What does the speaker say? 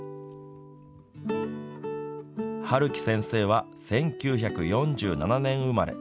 はるき先生は１９４７年生まれ。